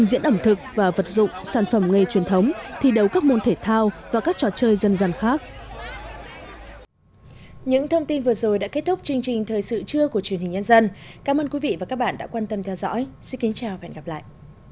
xin kính chào và hẹn gặp lại